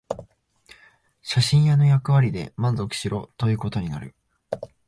写真屋の役割で満足しろということになる